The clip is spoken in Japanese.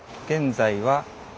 現在は。